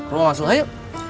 rumah masuk ayo